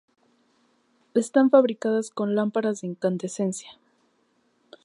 Estaban fabricadas con lámparas de incandescencia.